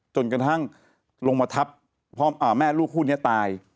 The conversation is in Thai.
จนกระทั่งลงมาทับพ่อแม่ลูกคู่นี้ตาย